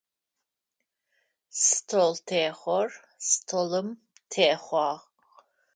Столтехъор столым техъуагъ.